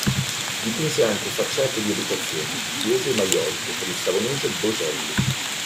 Dipinse anche facciate di abitazioni, di chiese e maioliche per il savonese Boselli.